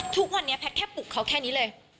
ทุกวันนี้แพทย์แค่ปลุกเขาแค่นี้เลย